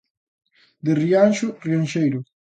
De Rianxo, rianxeiro.